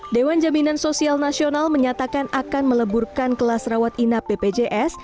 dewan jaminan sosial nasional menyatakan akan meleburkan kelas rawat inap bpjs